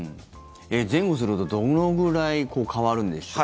前後するとどのぐらい変わるんでしょう。